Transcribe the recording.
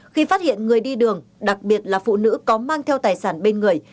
khi phát hiện người đi đường đặc biệt là phụ nữ có mang theo tài sản bên người